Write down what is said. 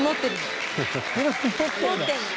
「持ってるの」